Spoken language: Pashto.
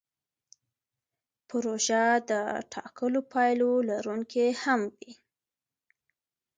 پروژه د ټاکلو پایلو لرونکې هم وي.